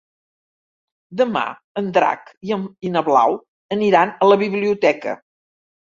Demà en Drac i na Blau aniran a la biblioteca.